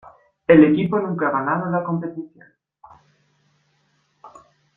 El equipo nunca han ganado la competición.